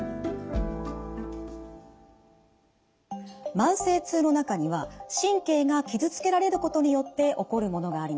慢性痛の中には神経が傷つけられることによって起こるものがあります。